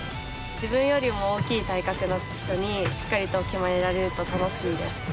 自分よりも大きな体格の人にしっかりと決められると楽しいです。